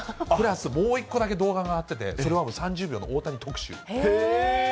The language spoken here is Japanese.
プラスもう一個だけ動画が上がってて、それが３０秒の大谷特集。